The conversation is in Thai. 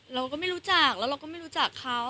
เราก็ไม่รู้จักแล้วเราก็ไม่รู้จักเขา